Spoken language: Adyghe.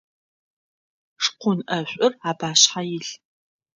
Шкъун ӏэшӏур апашъхьэ илъ.